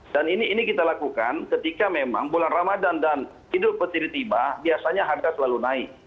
dan ini kita lakukan ketika memang bulan ramadhan dan hidup petiri tiba biasanya harga selalu naik